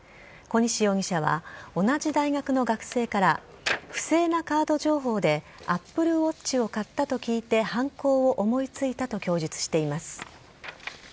小西容疑者は、同じ大学の学生から不正なカード情報でアップルウォッチを買ったと聞いて、犯行を思いついたと供述しています。